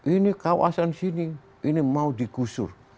ini kawasan sini ini mau digusur